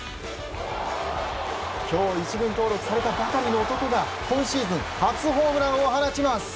今日１軍登録されたばかりの男が今シーズン初ホームランを放ちます。